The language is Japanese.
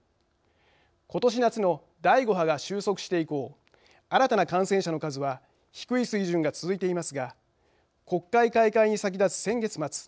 ことし夏の第５波が収束して以降新たな感染者の数は低い水準が続いていますが国会開会に先立つ先月末